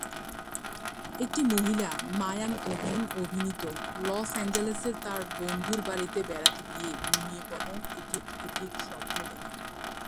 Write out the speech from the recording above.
একটি মহিলা, Maya Deren অভিনীত, লস অ্যাঞ্জেলেসে তার বন্ধুর বাড়িতে বেড়াতে গিয়ে ঘুমিয়ে পড়েন এবং একটি স্বপ্ন দেখেন।